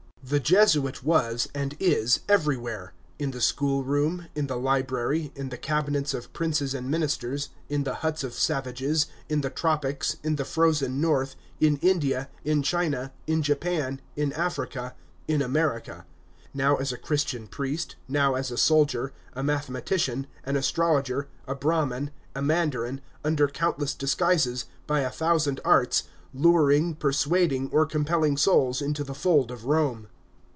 The Jesuit was, and is, everywhere, in the school room, in the library, in the cabinets of princes and ministers, in the huts of savages, in the tropics, in the frozen North, in India, in China, in Japan, in Africa, in America; now as a Christian priest, now as a soldier, a mathematician, an astrologer, a Brahmin, a mandarin, under countless disguises, by a thousand arts, luring, persuading, or compelling souls into the fold of Rome.